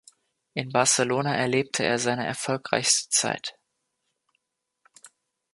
In Barcelona erlebte er seine erfolgreichste Zeit.